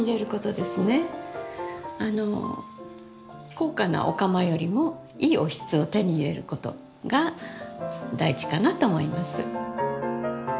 高価なお釜よりもいいおひつを手に入れることが大事かなと思います。